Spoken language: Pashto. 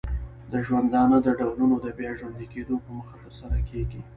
د ژوندانه د ډولونو د بیا ژوندې کیدو په موخه ترسره کیږي.